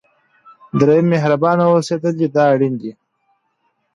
دریم مهربانه اوسېدل دی دا اړین دي.